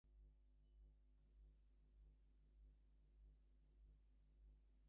Lois Pines is currently a director of the Federal Home Loan Bank in Boston.